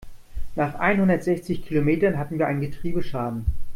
Nach einhundertsechzig Kilometern hatten wir einen Getriebeschaden.